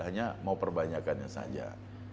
hanya mau perbanyakannya saja